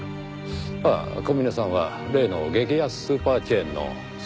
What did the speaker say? ああ小峰さんは例の激安スーパーチェーンの創業者。